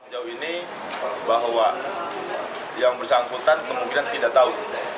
jauh ini bahwa yang bersangkutan kemungkinan tidak tahu